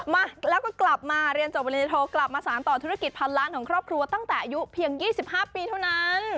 มาแล้วก็กลับมาเรียนจบวิริโทกลับมาสารต่อธุรกิจพันล้านของครอบครัวตั้งแต่อายุเพียง๒๕ปีเท่านั้น